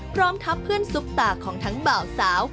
พร้อมทับเพื่อนซุปตาของทั้งบ่าวสาว